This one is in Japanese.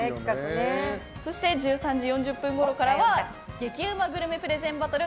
そして１３時４０分ごろからは激ウマグルメプレゼンバトル！